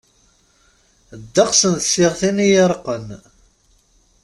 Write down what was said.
Ddegs n tsiɣtin iy iṛeqqen.